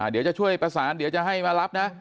เดี๋ยวจะช่วยประสานเดี๋ยวจะให้มารับนะ